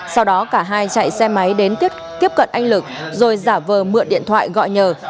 sau đó cả hai chạy xe máy đến tiếp cận anh lực rồi giả vờ mượn điện thoại gọi nhờ